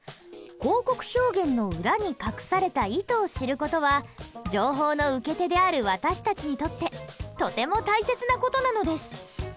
広告表現の裏に隠された意図を知る事は情報の受け手である私たちにとってとても大切な事なのです。